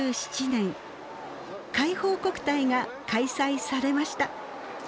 海邦国体が開催されました。